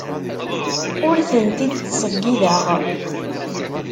Ur tent-id-ttṣeyyideɣ.